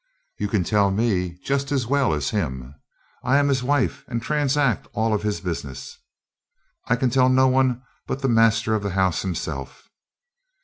"You can tell me just as well as him. I am his wife and transact all of his business." "I can tell no one but the master of the house himself."